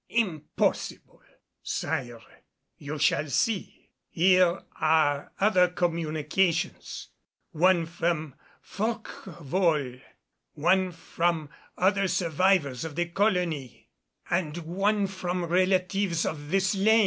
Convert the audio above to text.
Impossible!" "Sire, you shall see. Here are other communications. One from Forquevaulx, one from other survivors of the colony, and one from relatives of the slain.